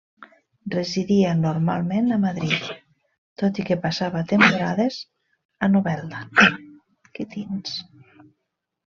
Residia normalment a Madrid, tot i que passava temporades a Novelda.